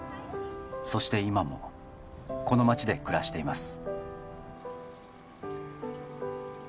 そして今もこの町で暮らしています